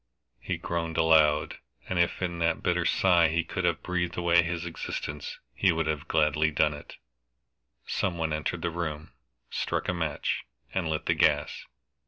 He groaned aloud, and if in that bitter sigh he could have breathed away his existence he would have gladly done it. Some one entered the room, struck a match, and lit the gas.